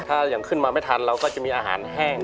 ถ้าอย่างขึ้นมาไม่ทันเราก็จะมีอาหารแห้ง